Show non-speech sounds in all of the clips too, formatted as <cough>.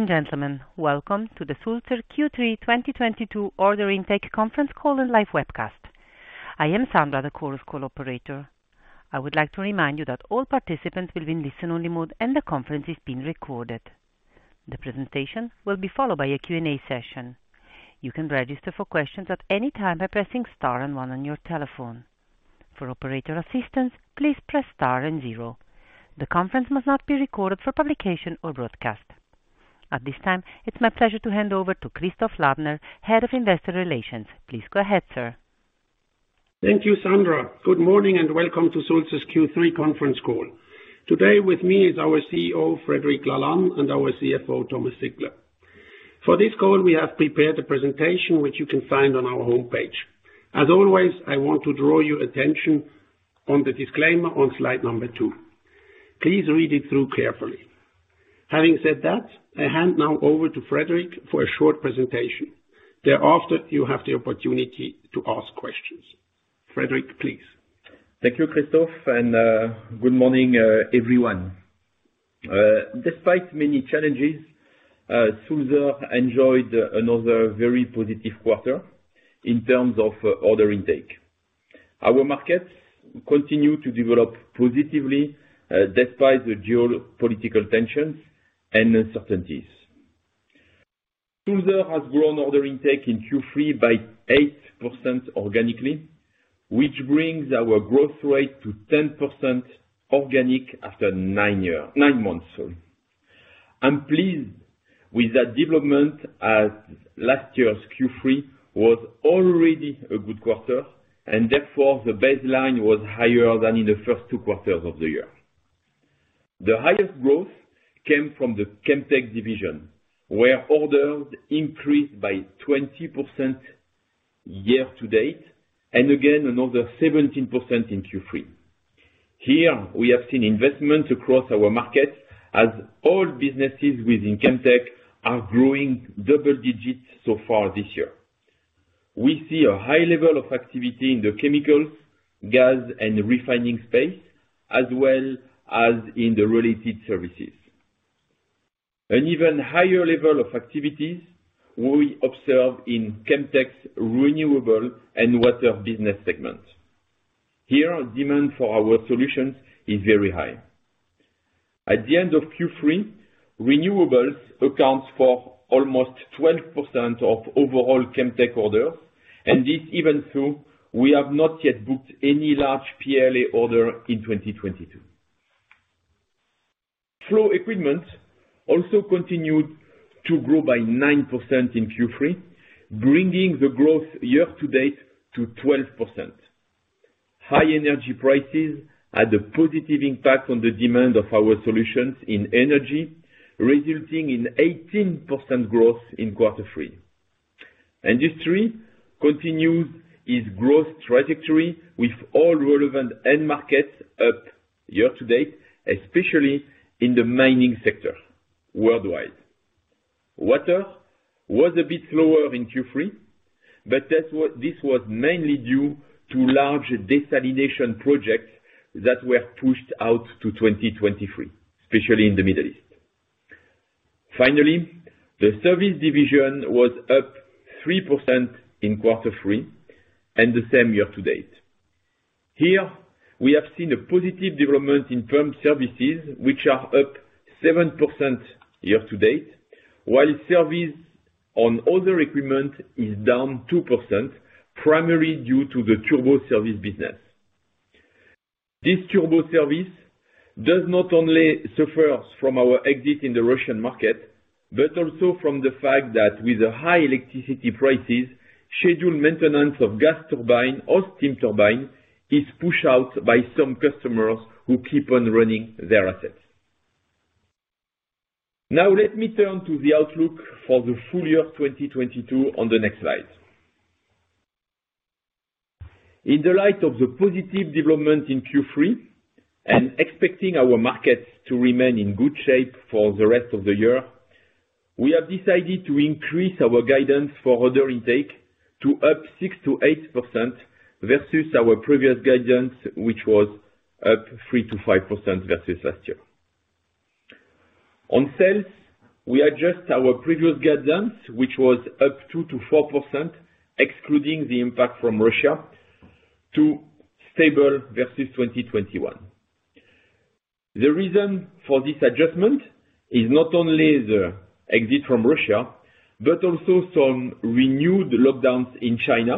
Ladies and gentlemen, welcome to the Sulzer Q3 2022 order intake conference call and live webcast. I am Sandra, the call's call operator. I would like to remind you that all participants will be in listen-only mode and the conference is being recorded. The presentation will be followed by a Q&A session. You can register for questions at any time by pressing star and one on your telephone. For operator assistance, please press Star and zero. The conference must not be recorded for publication or broadcast. At this time, it's my pleasure to hand over to Christoph Ladner, Head of Investor Relations. Please go ahead, Sir. Thank you, Sandra. Good morning, and welcome to Sulzer's Q3 conference call. Today with me is our CEO, Frédéric Lalanne, and our CFO, Thomas Zickler. For this call, we have prepared a presentation which you can find on our homepage. As always, I want to draw your attention on the disclaimer on slide number two. Please read it through carefully. Having said that, I hand now over to Frédéric for a short presentation. Thereafter, you have the opportunity to ask questions. Frédéric, please. Thank you, Christoph, and, good morning, everyone. Despite many challenges, Sulzer enjoyed another very positive quarter in terms of order intake. Our markets continue to develop positively, despite the geopolitical tensions and uncertainties. Sulzer has grown order intake in Q3 by 8% organically, which brings our growth rate to 10% organic after nine months, sorry. I'm pleased with that development as last year's Q3 was already a good quarter and therefore the baseline was higher than in the first two quarters of the year. The highest growth came from the Chemtech division, where orders increased by 20% year-to-date, and again, another 17% in Q3. Here, we have seen investments across our markets as all businesses within Chemtech are growing double digits so far this year. We see a high level of activity in the chemicals, gas, and refining space, as well as in the related services. An even higher level of activities we observe in Chemtech's renewable and water business segment. Here, demand for our solutions is very high. At the end of Q3, renewables accounts for almost 12% of overall Chemtech orders, and this even though we have not yet booked any large PLA order in 2022. Flow Equipment also continued to grow by 9% in Q3, bringing the growth year-to-date to 12%. High energy prices had a positive impact on the demand of our solutions in energy, resulting in 18% growth in quarter three. Industry continues its growth trajectory with all relevant end markets up year-to-date, especially in the mining sector worldwide. Water was a bit slower in Q3, but this was mainly due to large desalination projects that were pushed out to 2023, especially in the Middle East. Finally, the service division was up 3% in quarter three and the same year-to-date. Here, we have seen a positive development in pump services, which are up 7% year-to-date, while service on other equipment is down 2%, primarily due to the turbo service business. This turbo service does not only suffer from our exit in the Russian market, but also from the fact that with the high electricity prices, scheduled maintenance of gas turbine or steam turbine is pushed out by some customers who keep on running their assets. Now let me turn to the outlook for the full year 2022 on the next slide. In the light of the positive development in Q3 and expecting our markets to remain in good shape for the rest of the year, we have decided to increase our guidance for order intake to up 6%-8% versus our previous guidance, which was up 3%-5% versus last year. On sales, we adjust our previous guidance, which was up 2%-4%, excluding the impact from Russia to stable versus 2021. The reason for this adjustment is not only the exit from Russia, but also some renewed lockdowns in China.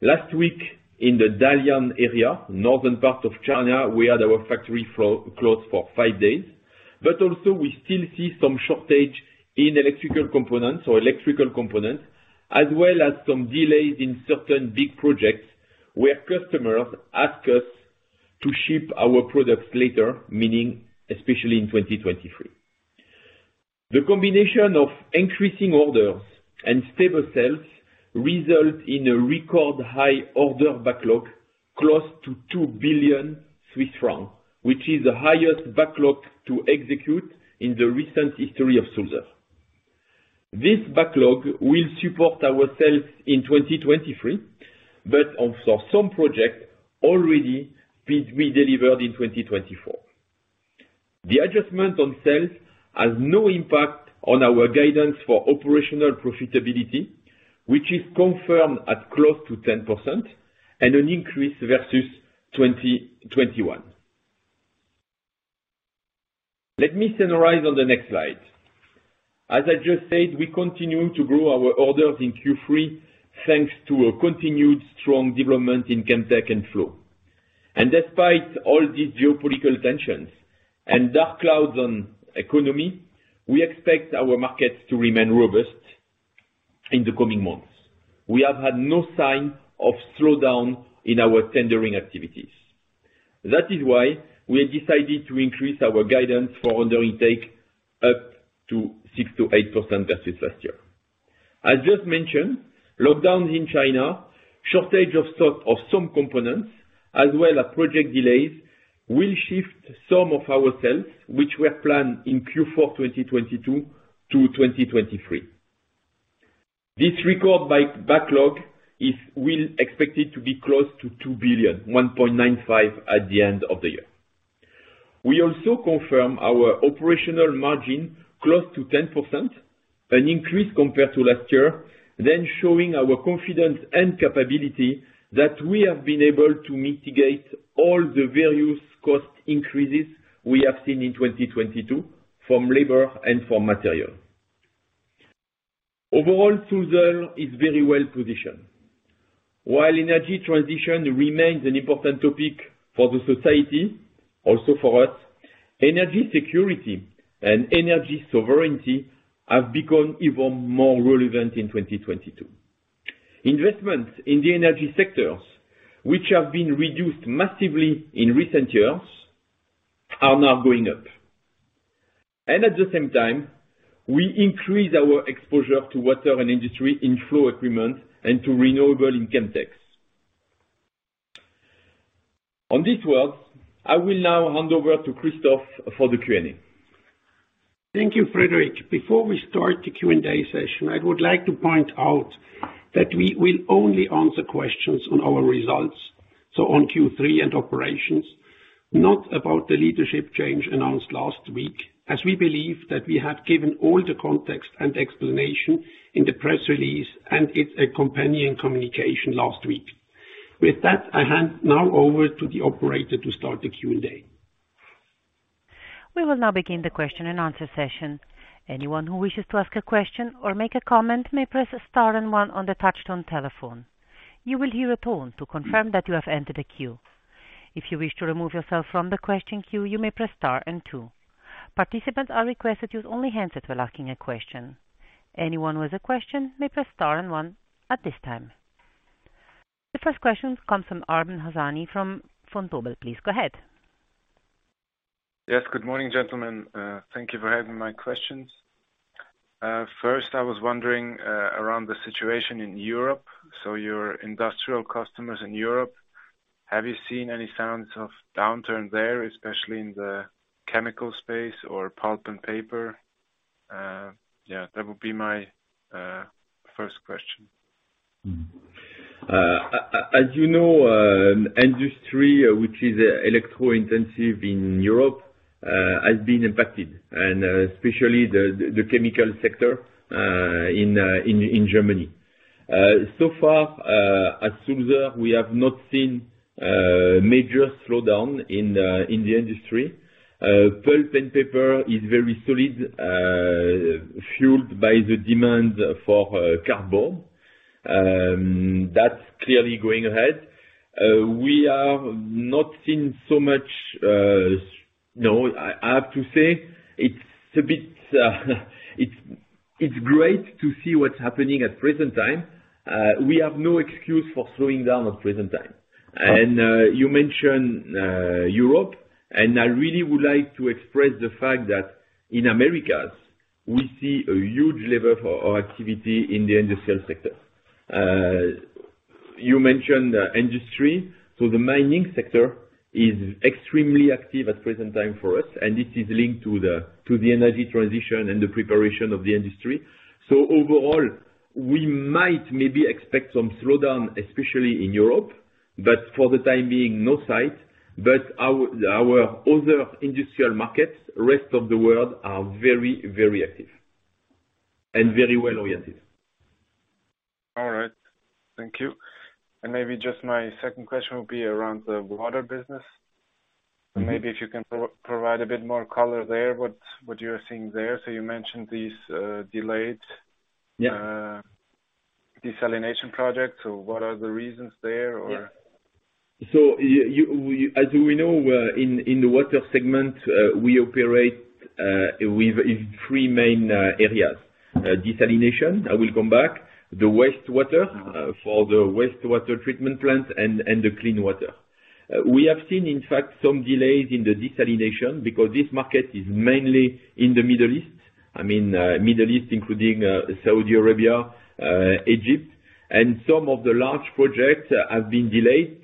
Last week in the Dalian area, northern part of China, we had our factory closed for 5 days. Also we still see some shortage in electrical components, as well as some delays in certain big projects where customers ask us to ship our products later, meaning especially in 2023. The combination of increasing orders and stable sales result in a record high order backlog close to 2 billion Swiss francs, which is the highest backlog to execute in the recent history of Sulzer. This backlog will support our sales in 2023, but some projects already be delivered in 2024. The adjustment on sales has no impact on our guidance for operational profitability, which is confirmed at close to 10% and an increase versus 2021. Let me summarize on the next slide. As I just said, we continue to grow our orders in Q3 thanks to a continued strong development in Chemtech and Flow. Despite all these geopolitical tensions and dark clouds on the economy, we expect our markets to remain robust in the coming months. We have had no sign of slowdown in our tendering activities. That is why we have decided to increase our guidance for order intake up to 6%-8% versus last year. As just mentioned, lockdowns in China, shortage of stock of some components, as well as project delays, will shift some of our sales, which were planned in Q4 2022-2023. This record-high backlog we expect it to be close to 2 billion, $1.95 at the end of the year. We also confirm our operational margin close to 10%, an increase compared to last year, then showing our confidence and capability that we have been able to mitigate all the various cost increases we have seen in 2022 from labor and from material. Overall, Sulzer is very well positioned. While energy transition remains an important topic for the society, also for us, energy security and energy sovereignty have become even more relevant in 2022. Investments in the energy sectors, which have been reduced massively in recent years, are now going up. At the same time, we increase our exposure to water and industry in Flow Equipment and to renewable in Chemtech. On this note, I will now hand over to Christoph for the Q&A. Thank you, Frédéric. Before we start the Q&A session, I would like to point out that we will only answer questions on our results, so on Q3 and operations, not about the leadership change announced last week, as we believe that we have given all the context and explanation in the press release and its companion communication last week. With that, I hand now over to the operator to start the Q&A. We will now begin the question and answer session. Anyone who wishes to ask a question or make a comment may press Star and one on the touchtone telephone. You will hear a tone to confirm that you have entered a queue. If you wish to remove yourself from the question queue, you may press Star and two. Participants are requested to use only handsets when asking a question. Anyone with a question may press Star and one at this time. The first question comes from Arben Hasani from Vontobel. Please go ahead. Yes. Good morning, gentlemen. Thank you for having my questions. First, I was wondering about the situation in Europe. Your industrial customers in Europe, have you seen any signs of downturn there, especially in the chemical space or pulp and paper? Yeah, that would be my first question. As you know, industry which is electro-intensive in Europe has been impacted, and especially the chemical sector in Germany. So far, at Sulzer, we have not seen a major slowdown in the industry. Pulp and paper is very solid, fueled by the demand for cardboard. That's clearly going ahead. I have to say <audio distortion> it's great to see what's happening at present time. We have no excuse for slowing down at present time. You mentioned Europe. I really would like to express the fact that in Americas, we see a huge level for our activity in the industrial sector. You mentioned industry. The mining sector is extremely active at present time for us, and this is linked to the energy transition and the preparation of the industry. Overall, we might maybe expect some slowdown, especially in Europe, but for the time being, no sign. Our other industrial markets, rest of the world are very, very active and very well oriented. All right. Thank you. Maybe just my second question will be around the water business. Mm-hmm. Maybe if you can provide a bit more color there, what you're seeing there. You mentioned these, delayed- Yeah. Desalination projects. What are the reasons there? Yeah. As we know, in the water segment, we operate with three main areas. Desalination, I will come back, the wastewater for the wastewater treatment plant and the clean water. We have seen, in fact, some delays in the desalination because this market is mainly in the Middle East. I mean, Middle East, including Saudi Arabia, Egypt, and some of the large projects have been delayed.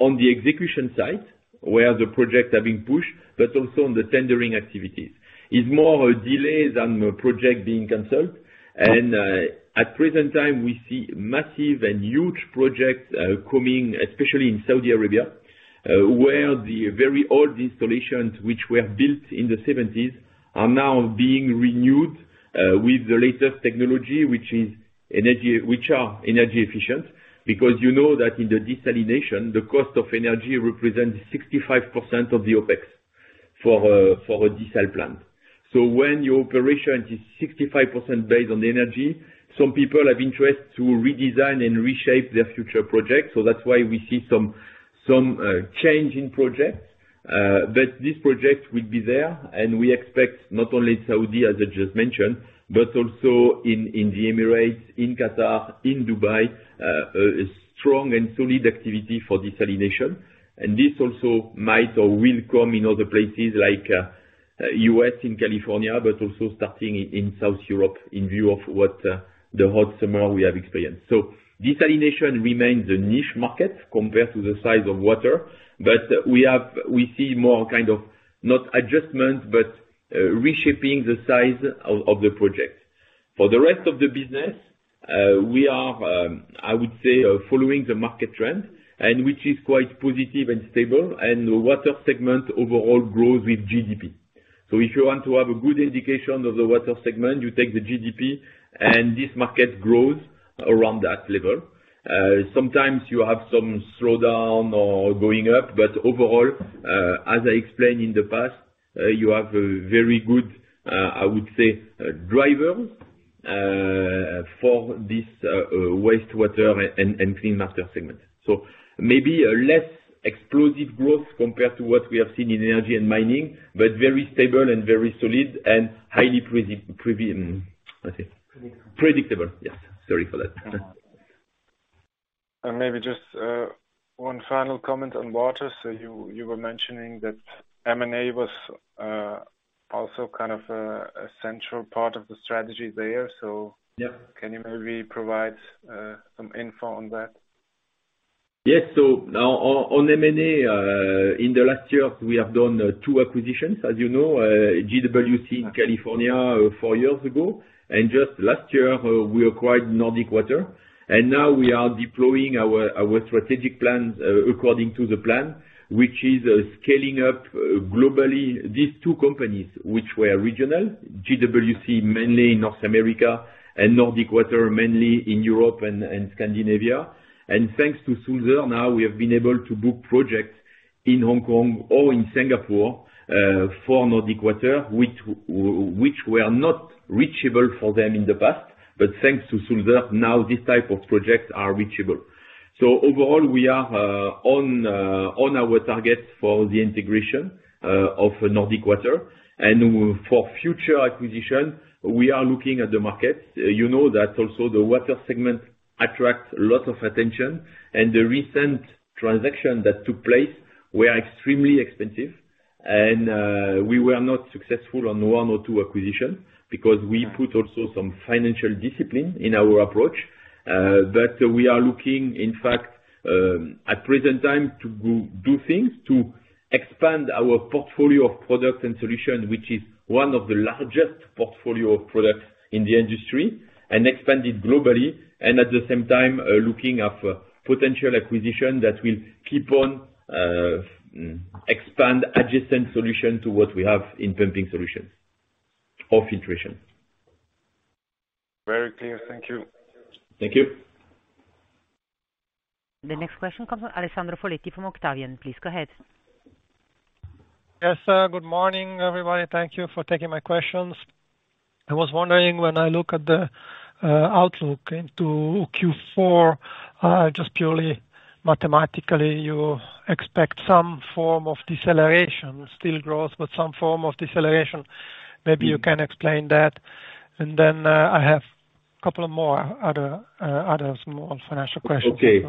On the execution side, where the projects are being pushed, but also on the tendering activities. It's more a delay than the project being canceled. At present time, we see massive and huge projects coming, especially in Saudi Arabia, where the very old installations which were built in the seventies are now being renewed with the latest technology, which are energy efficient. Because you know that in the desalination, the cost of energy represents 65% of the OpEx for a desal plant. When your operation is 65% based on energy, some people have interest to redesign and reshape their future projects. That's why we see some change in projects. But this project will be there, and we expect not only Saudi, as I just mentioned, but also in the Emirates, in Qatar, in Dubai, a strong and solid activity for desalination. This also might or will come in other places like, U.S., in California, but also starting in South Europe, in view of what, the hot summer we have experienced. Desalination remains a niche market compared to the size of water, but we see more kind of, not adjustment, but reshaping the size of the project. For the rest of the business, we are, I would say, following the market trend and which is quite positive and stable, and the water segment overall grows with GDP. If you want to have a good indication of the water segment, you take the GDP and this market grows around that level. Sometimes you have some slowdown or going up but overall as I explained in the past you have a very good. I would say driver for this wastewater and clean water segment. Maybe a less explosive growth compared to what we have seen in energy and mining, but very stable and very solid and highly predictable. Predictable. Predictable, yes. Sorry for that. Maybe just one final comment on water. You were mentioning that M&A was also kind of a central part of the strategy there. Yeah. Can you maybe provide some info on that? Yes. On M&A, in the last year, we have done two acquisitions, as you know, JWC in California four years ago, and just last year, we acquired Nordic Water. Now we are deploying our strategic plans according to the plan, which is scaling up globally these two companies, which were regional, JWC mainly in North America and Nordic Water mainly in Europe and Scandinavia. Thanks to Sulzer, now we have been able to book projects in Hong Kong or in Singapore, for Nordic Water, which were not reachable for them in the past. Thanks to Sulzer, now this type of projects are reachable. Overall, we are on our target for the integration of Nordic Water. For future acquisition we are looking at the market. You know that also the water segment attracts lots of attention. The recent transaction that took place were extremely expensive. We were not successful on one or two acquisitions because we put also some financial discipline in our approach. We are looking, in fact, at present time to do things to expand our portfolio of products and solutions, which is one of the largest portfolio of products in the industry, and expand it globally. At the same time, looking at potential acquisition that will keep on, expand adjacent solution to what we have in pumping solutions or filtration. Very clear. Thank you. Thank you. The next question comes from Alessandro Foletti from Octavian. Please go ahead. Yes. Good morning, everybody. Thank you for taking my questions. I was wondering when I look at the outlook into Q4, just purely mathematically, you expect some form of deceleration, still growth, but some form of deceleration. Maybe you can explain that. Then I have a couple of more other, others more on financial questions. Okay.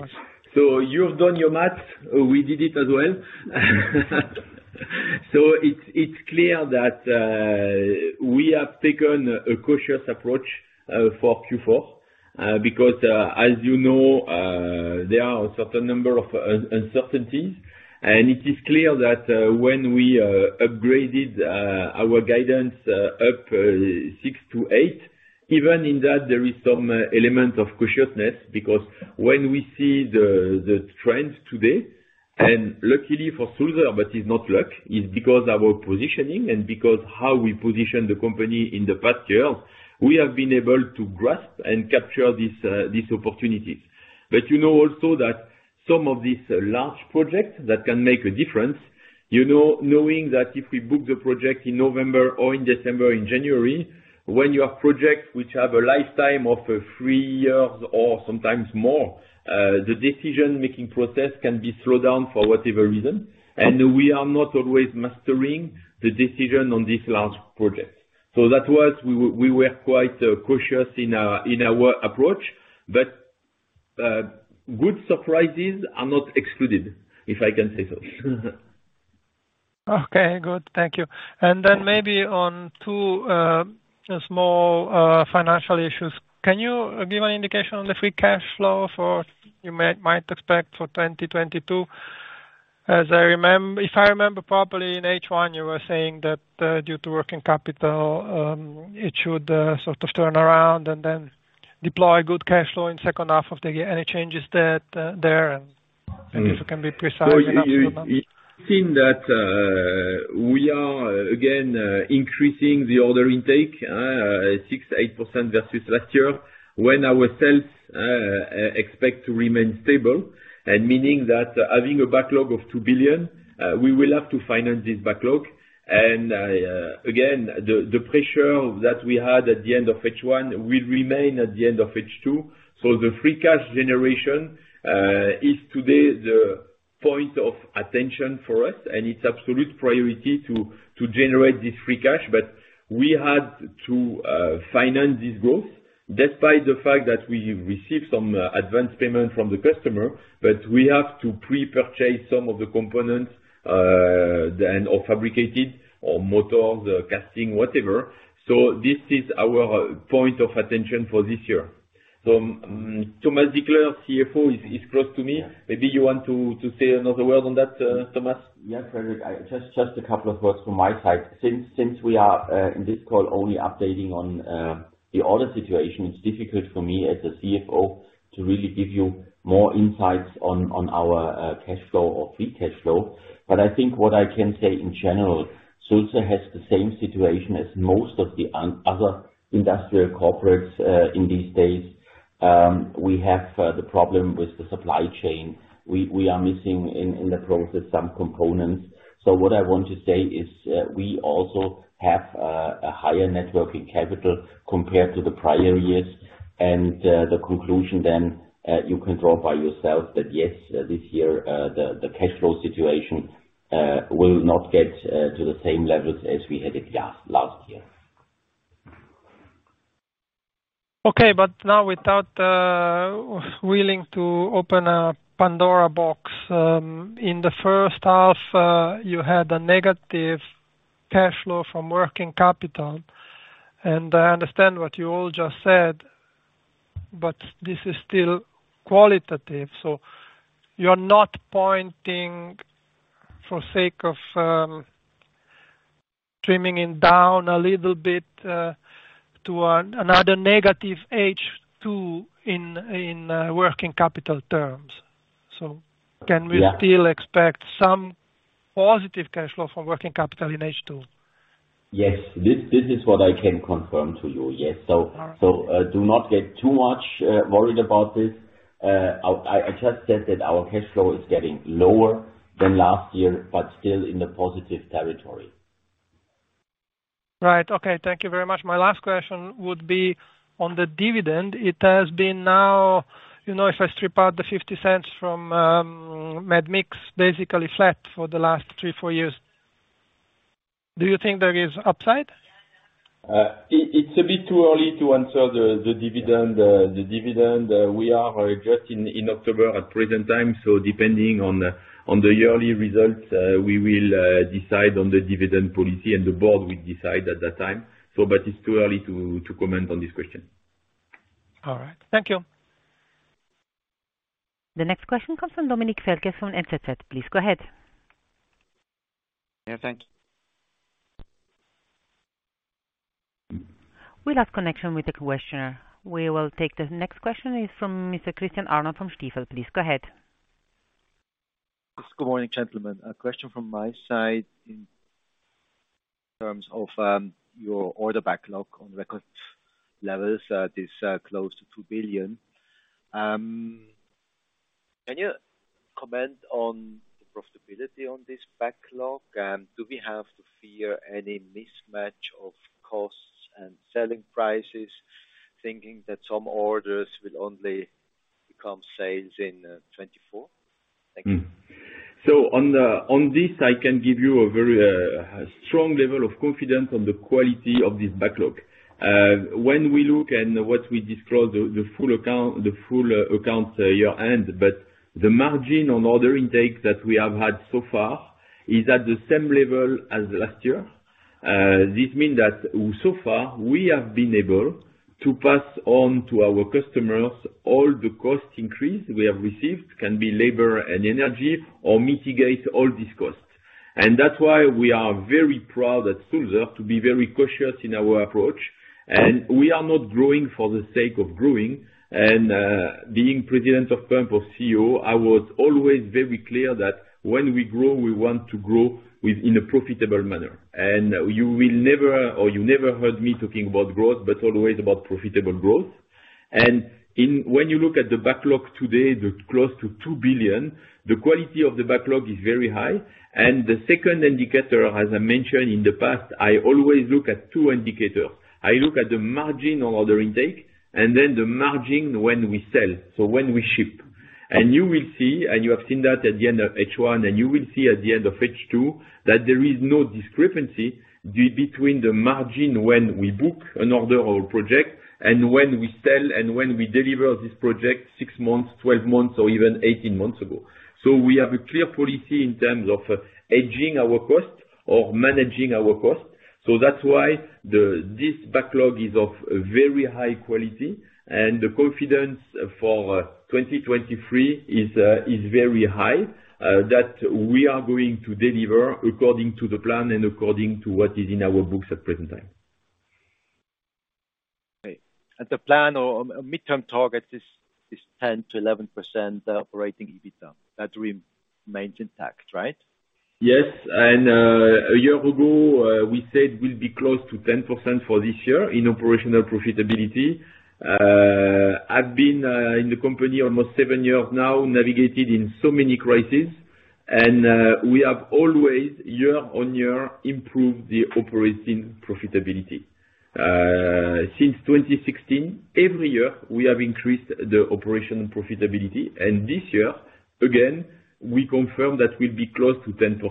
You've done your math. We did it as well. So it's clear that we have taken a cautious approach for Q4 because as you know there are a certain number of uncertainties. It is clear that when we upgraded our guidance up 6%-8% even in that there is some element of cautiousness because when we see the trends today and luckily for Sulzer but it's not luck it's because our positioning and because how we position the company in the past years we have been able to grasp and capture these opportunities. You know also that some of these large projects that can make a difference, you know, knowing that if we book the project in November or in December or in January, when you have projects which have a lifetime of three years or sometimes more, the decision-making process can be slowed down for whatever reason. We are not always mastering the decision on this large project. That was we were quite cautious in our approach, but good surprises are not excluded, if I can say so. Okay, good. Thank you. Maybe on two small financial issues. Can you give an indication on the free cash flow that you might expect for 2022? As I remember properly, in H1 you were saying that, due to working capital, it should sort of turn around and then deliver good cash flow in second half of the year. Any changes there, and if it can be precise enough for them. You've seen that we are again increasing the order intake 6%-8% versus last year when our sales expect to remain stable. Meaning that having a backlog of 2 billion, we will have to finance this backlog. Again, the pressure that we had at the end of H1 will remain at the end of H2. The free cash generation is today the point of attention for us, and it's absolute priority to generate this free cash. We had to finance this growth despite the fact that we received some advance payment from the customer. We have to pre-purchase some of the components then or fabricate it, or motors, casting, whatever. This is our point of attention for this year. Thomas Zickler, CFO, is close to me. Maybe you want to say another word on that, Thomas. Yes, Frédéric, I just a couple of words from my side. Since we are in this call only updating on the order situation, it's difficult for me as the CFO to really give you more insights on our cash flow or free cash flow. I think what I can say in general, Sulzer has the same situation as most of the other industrial corporates in these days. We have the problem with the supply chain. We are missing in the process some components. What I want to say is, we also have a higher net working capital compared to the prior years. The conclusion then you can draw by yourself that yes, this year the cash flow situation will not get to the same levels as we had it last year. Okay. Now without willing to open a Pandora's box, in the first half, you had a negative cash flow from working capital. I understand what you all just said, but this is still qualitative, so you're not pointing for sake of trimming it down a little bit to another negative H2 in working capital terms. Can we- Yeah. still expect some positive cash flow from working capital in H2? Yes. This is what I can confirm to you. Yes. Do not get too much worried about this. I just said that our cash flow is getting lower than last year, but still in the positive territory. Right. Okay. Thank you very much. My last question would be on the dividend. It has been now, you know, if I strip out the 0.50 from medmix, basically flat for the last 3-4 years. Do you think there is upside? It's a bit too early to answer the dividend. We are just in October at present time, so depending on the yearly results we will decide on the dividend policy and the board will decide at that time. But it's too early to comment on this question. All right. Thank you. The next question comes from Dominik Feldkessel, NZZ. Please go ahead. Yeah, thanks. We lost connection with the questioner. We will take the next question. It is from Mr. Christian Arnold from Stifel. Please go ahead. Good morning, gentlemen. A question from my side in terms of your order backlog on record levels that is close to 2 billion. Can you comment on the profitability on this backlog? Do we have to fear any mismatch of costs and selling prices, thinking that some orders will only become sales in 2024? Thank you. On this, I can give you a very strong level of confidence on the quality of this backlog. When we look at what we disclose, the full account year end. The margin on order intake that we have had so far is at the same level as last year. This means that so far we have been able to pass on to our customers all the cost increases we have received, be it labor and energy, or mitigate all these costs. That's why we are very proud at Sulzer to be very cautious in our approach. We are not growing for the sake of growing. Being president of Flow or CEO, I was always very clear that when we grow, we want to grow in a profitable manner. You will never or you never heard me talking about growth, but always about profitable growth. When you look at the backlog today, close to 2 billion, the quality of the backlog is very high. The second indicator, as I mentioned in the past, I always look at two indicators. I look at the margin on order intake, and then the margin when we sell, so when we ship. You will see, and you have seen that at the end of H1, and you will see at the end of H2 that there is no discrepancy between the margin when we book an order or project and when we sell and when we deliver this project six months, 12 months or even 18 months ago. We have a clear policy in terms of aging our cost or managing our cost. That's why this backlog is of very high quality and the confidence for 2023 is very high that we are going to deliver according to the plan and according to what is in our books at present time. Okay. The plan or midterm target is 10%-11% operating EBITDA. That remains intact, right? Yes. A year ago, we said we'll be close to 10% for this year in operational profitability. I've been in the company almost seven years now, navigated in so many crises, and we have always year-on-year improved the operating profitability. Since 2016, every year we have increased the operational profitability. This year, again, we confirm that we'll be close to 10%.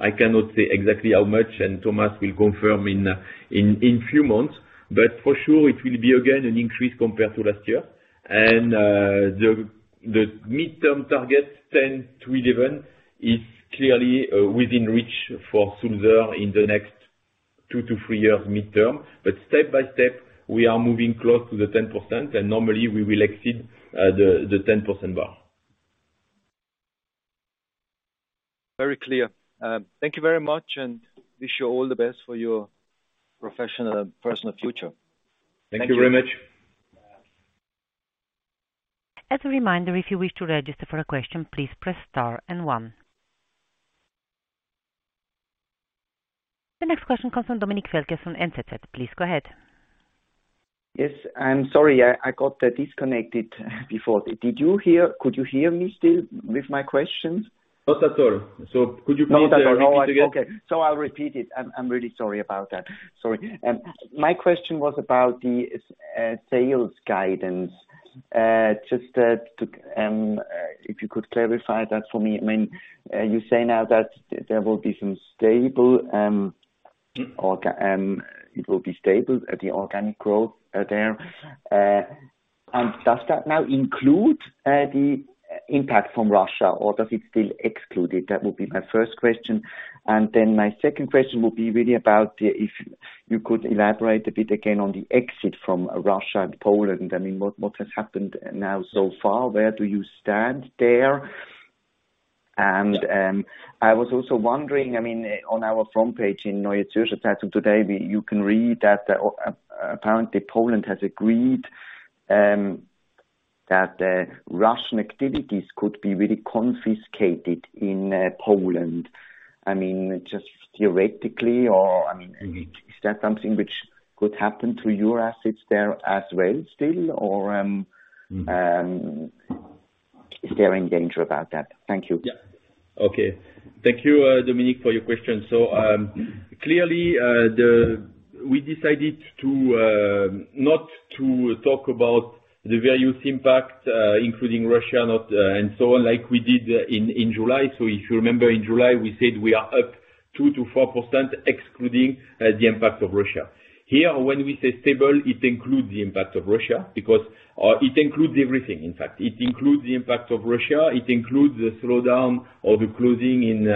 I cannot say exactly how much, and Thomas will confirm in few months. For sure it will be again an increase compared to last year. The midterm target 10-11 is clearly within reach for Sulzer in the next 2-3 years midterm. Step by step we are moving close to the 10% and normally we will exceed the 10% bar. Very clear. Thank you very much, and wish you all the best for your professional and personal future. Thank you very much. Thank you. As a reminder, if you wish to register for a question, please press star and one. The next question comes from Dominik Feldkessel from NZZ. Please go ahead. Yes, I'm sorry I got disconnected before. Could you hear me still with my questions? Not at all. Could you please repeat again? Not at all. No. Okay. I'll repeat it. I'm really sorry about that. Sorry. My question was about the sales guidance. Just to if you could clarify that for me. I mean, you say now that there will be some stable, or, it will be stable at the organic growth, there. And does that now include the impact from Russia or does it still exclude it? That would be my first question. Then my second question would be really about if you could elaborate a bit again on the exit from Russia and Poland. I mean, what has happened now so far? Where do you stand there? I was also wondering, I mean, on our front page in Yeah. Okay. Thank you, Dominik, for your question. Clearly, we decided not to talk about the various impact, including Russia not, and so on, like we did in July. If you remember in July, we said we are up 2%-4% excluding the impact of Russia. Here when we say stable it includes the impact of Russia because it includes everything, in fact. It includes the impact of Russia, it includes the slowdown or the closing in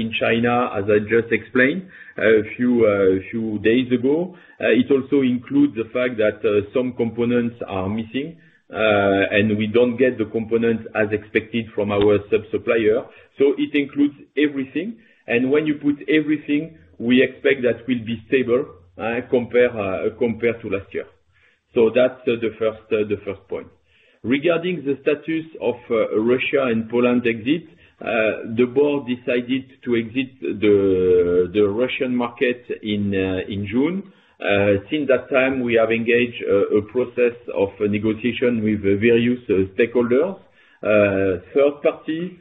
in China, as I just explained a few days ago. It also includes the fact that some components are missing and we don't get the components as expected from our sub-supplier. It includes everything. When you put everything we expect that will be stable compared to last year. That's the first point. Regarding the status of Russia and Poland exit the board decided to exit the Russian market in June. Since that time we have engaged a process of negotiation with various stakeholders third-party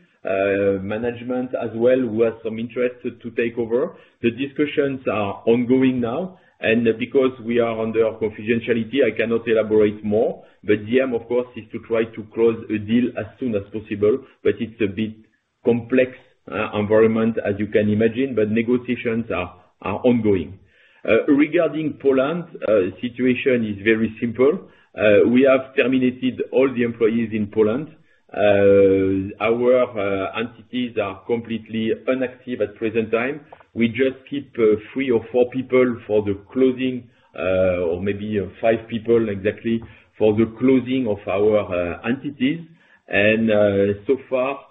management as well, who have some interest to take over. The discussions are ongoing now, and because we are under confidentiality, I cannot elaborate more. The aim, of course, is to try to close a deal as soon as possible, but it's a bit complex environment as you can imagine, but negotiations are ongoing. Regarding Poland, situation is very simple. We have terminated all the employees in Poland. Our entities are completely inactive at present time. We just keep three or four people for the closing, or maybe five people exactly for the closing of our entities. So far,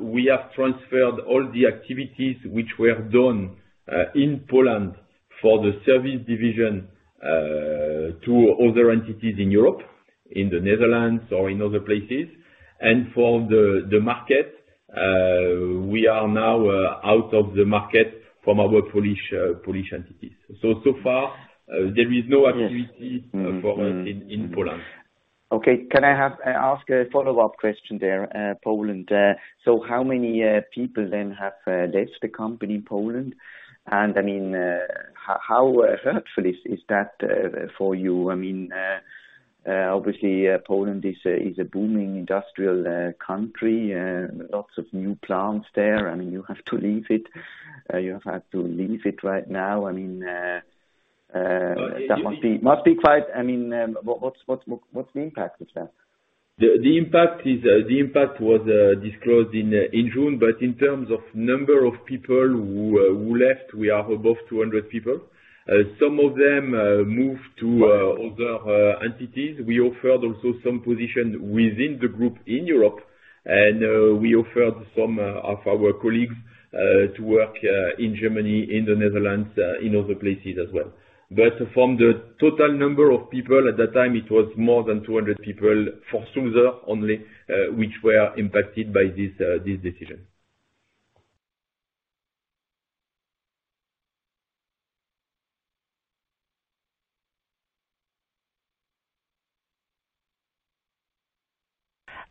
we have transferred all the activities which were done in Poland for the service division to other entities in Europe, in the Netherlands or in other places. For the market, we are now out of the market from our Polish entities. So far, there is no activity for us in Poland. Okay. Can I ask a follow-up question there, Poland? So how many people then have left the company in Poland? And I mean, How hurtful is that for you? I mean, obviously, Poland is a booming industrial country, lots of new plants there, and you have to leave it. You have had to leave it right now. Well, the That must be quite. I mean, what's the impact of that? The impact was disclosed in June, but in terms of number of people who left, we are above 200 people. Some of them moved to other entities. We offered also some positions within the group in Europe. We offered some of our colleagues to work in Germany, in the Netherlands, in other places as well. From the total number of people at that time, it was more than 200 people for Sulzer only which were impacted by this decision.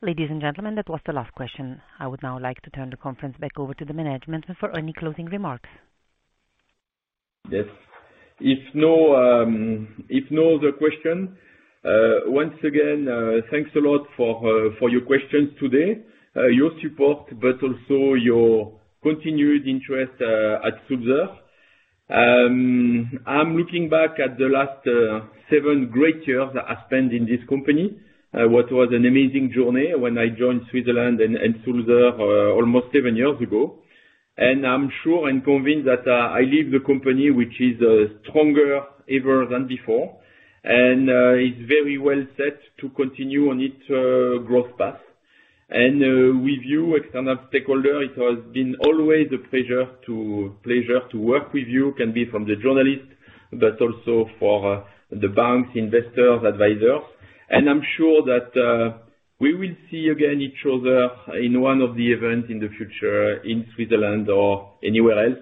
Ladies and gentlemen, that was the last question. I would now like to turn the conference back over to the management for any closing remarks. Yes. If no other question, once again, thanks a lot for for your questions today, your support but also your continued interest at Sulzer. I'm looking back at the last seven great years I spent in this company. What was an amazing journey when I joined in Switzerland and Sulzer almost seven years ago. I'm sure and convinced that I leave the company, which is stronger than ever before. It's very well set to continue on its growth path. With you external stakeholder, it has been always a pleasure to pleasure to work with you, can be from the journalists, but also for the banks, investors, advisors. I'm sure that we will see each other again in one of the events in the future, in Switzerland or anywhere else.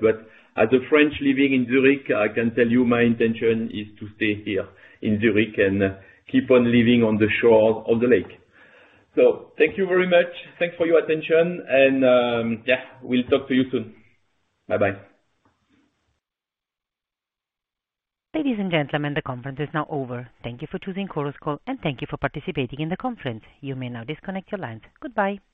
As a French living in Zurich, I can tell you my intention is to stay here in Zurich and keep on living on the shore of the lake. Thank you very much. Thanks for your attention and, yeah, we'll talk to you soon. Bye-bye. Ladies and gentlemen, the conference is now over. Thank you for choosing Chorus Call, and thank you for participating in the conference. You may now disconnect your lines. Goodbye.